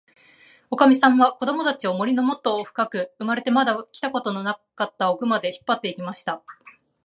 おかみさんは、こどもたちを、森のもっともっとふかく、生まれてまだ来たことのなかったおくまで、引っぱって行きました。